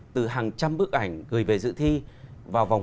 từ hàng trăm bức ảnh gửi về dự thi vào vòng